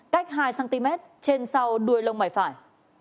cách hai cm trên sau đuôi lông bài phải